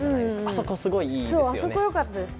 あそこよかったです。